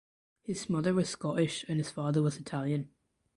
His mother was Scottish and his father was Italian.